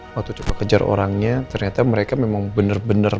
waktu kita kejar orangnya ternyata mereka memang benar benar